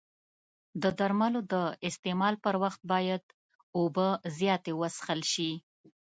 د درملو د استعمال پر وخت باید اوبه زیاتې وڅښل شي.